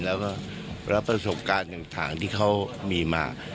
แล้วก็รับประสบการณ์ต่างที่เขามีมา